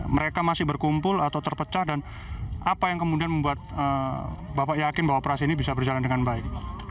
mereka masih berkumpul atau terpecah dan apa yang kemudian membuat bapak yakin bahwa operasi ini bisa berjalan dengan baik